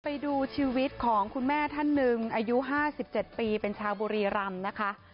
ไปดูชีวิตของคุณแม่ท่านหนึ่งอายุ๕๗ปีเป็นชาวบุรีรำนะคะ